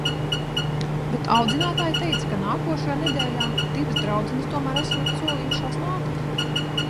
Bet audzinātāja teica, ka nākošajā nedēļā divas draudzenes tomēr esot solījušās nākt.